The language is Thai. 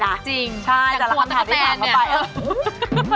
ถ้ามีคอนเสิร์ตอะไรดีนี่นะคะอย่าลืมนะ